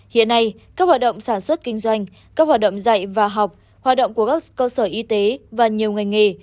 hiện nay các hoạt động sản xuất kinh doanh các hoạt động dạy và học hoạt động của các cơ sở y tế và nhiều ngành nghề